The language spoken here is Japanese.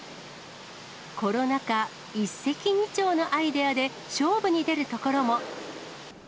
コロナ禍、一石二鳥のアイデアで勝負に出るところも。